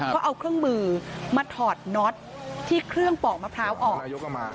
เขาเอาเครื่องมือมาถอดน็อตที่เครื่องปอกมะพร้าวออก